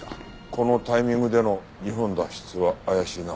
このタイミングでの日本脱出は怪しいな。